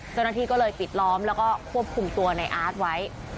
เจ้าหน้าที่ก็เลยปิดล้อมแล้วก็ควบคุมตัวในอาร์ตไว้